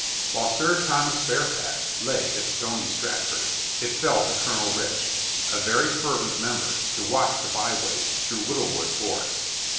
While Sir Thomas Fairfax lay at Stony Strat ford, it fell to Colonel Rich, a very fervent mem ber, to watch the byways through Whittlewood For est.